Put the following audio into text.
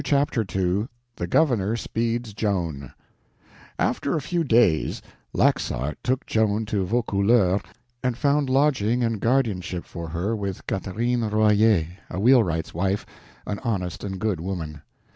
Chapter 2 The Governor Speeds Joan After a few days, Laxart took Joan to Vaucouleurs, and found lodging and guardianship for her with Catherine Royer, a wheelwright's wife, an honest and good woman.